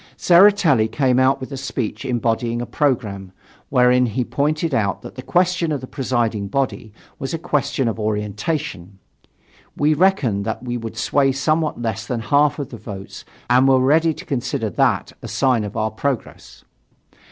Tseretelli came out with a speech embodying a programme, wherein he pointed out that the question of the presiding body was a question of orientation. We reckoned that we would sway somewhat less than half of the vote and were ready to consider that a sign of our progress.